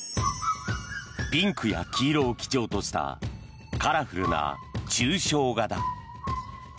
ピンクや黄色を基調としたカラフルな抽象画だ。